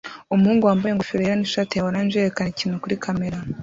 Umuhungu wambaye ingofero yera nishati ya orange yerekana ikintu kuri kamera